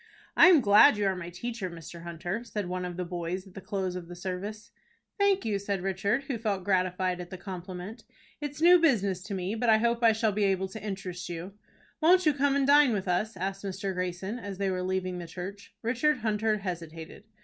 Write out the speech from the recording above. "I am glad you are my teacher, Mr. Hunter," said one of the boys at the close of the service. "Thank you," said Richard, who felt gratified at the compliment. "It's new business to me, but I hope I shall be able to interest you." "Won't you come and dine with us?" asked Mr. Greyson, as they were leaving the church. Richard Hunter hesitated.